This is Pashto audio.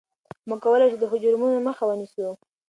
موږ کولای شو د جرمونو مخه ونیسو.